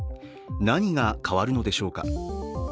何が変わるのでしょうか。